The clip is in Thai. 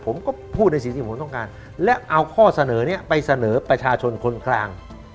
ผมก็พูดในสิ่งที่ผมต้องการและเอาข้อเสนอนี้ไปเสนอประชาชนคนกลาง